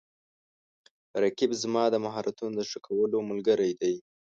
رقیب زما د مهارتونو د ښه کولو ملګری دی